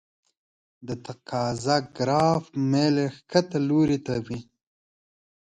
د تقاضا ګراف میل یې ښکته لوري ته وي.